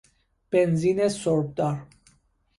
بنزین سربدار